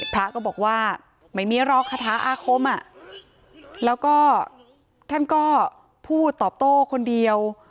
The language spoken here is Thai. พระก็บอกว่าไม่มีรอคาถาอาคมแล้วก็ท่านก็พูดตอบโต้คนเดียว